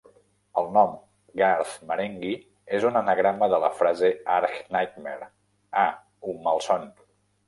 El nom "Garth Marenghi" és un anagrama de la frase "argh nightmare" (ah! un malson).